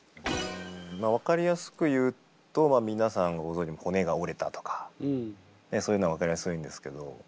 分かりやすく言うと皆さんご存じの骨が折れたとかそういうのは分かりやすいんですけど